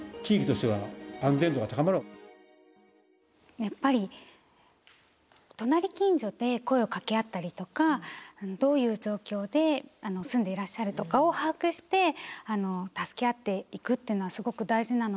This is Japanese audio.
やっぱり隣近所で声をかけ合ったりとかどういう状況で住んでいらっしゃるとかを把握して助け合っていくっていうのはすごく大事なので。